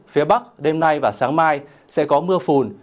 phía bắc đêm nay và sáng mai sẽ có mưa phùn